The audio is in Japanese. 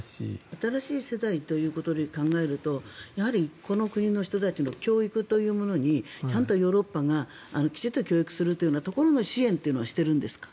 新しい世代ということで考えるとやはりこの国の人たちの教育というものにヨーロッパはきちんと教育するというところの支援というのはしているんですか？